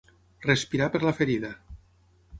Respirar per la ferida.